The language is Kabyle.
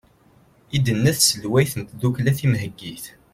i d-tenna tselwayt n tddukkla timheggit